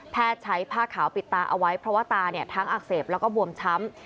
ใช้ผ้าขาวปิดตาเอาไว้เพราะว่าตาทั้งอักเสบแล้วก็บวมช้ำ